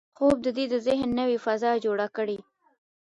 خوب د ذهن نوې فضا جوړه کړي